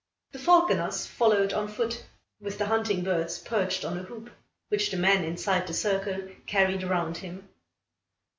The falconers followed on foot, with the hunting birds perched on a hoop, which the man inside the circle carried round him.